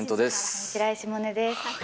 上白石萌音です。